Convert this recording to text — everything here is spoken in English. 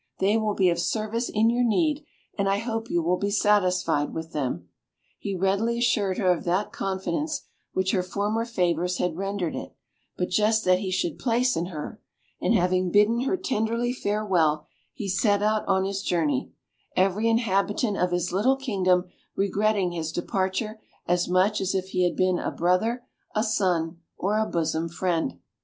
They will be of service in your need, and I hope you will be satisfied with them." He readily assured her of that confidence which her former favours had rendered it but just that he should place in her, and having bidden her tenderly farewell, he set out on his journey; every inhabitant of his little kingdom regretting his departure as much as if he had been a brother, a son, or a bosom friend.